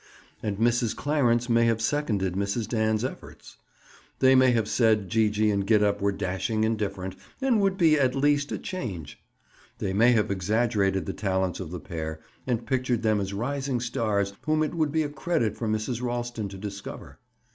And Mrs. Clarence may have seconded Mrs. Dan's efforts. They may have said Gee gee and Gid up were dashing and different, and would be, at least, a change. They may have exaggerated the talents of the pair and pictured them as rising stars whom it would be a credit for Mrs. Ralston to discover.